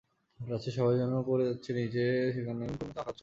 সবই যেন পড়ে যাচ্ছে নিচে, যেখানে গুগল ম্যাপের অনুকরণে অাঁকা আছে কর্ণফুলী।